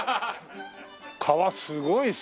革すごいですよ。